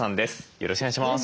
よろしくお願いします。